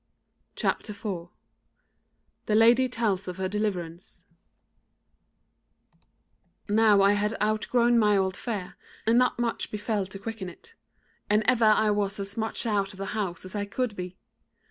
CHAPTER 4 The Lady Tells of Her Deliverance "Now I had outgrown my old fear, and not much befell to quicken it: and ever I was as much out of the house as I could be.